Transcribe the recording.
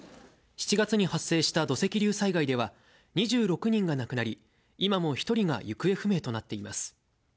７月に発生した土石流災害では２６人が亡くなり、今も１人が行方不明となっています。